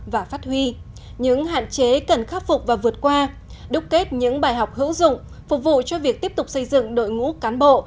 và phát huy những hạn chế cần khắc phục và vượt qua đúc kết những bài học hữu dụng phục vụ cho việc tiếp tục xây dựng đội ngũ cán bộ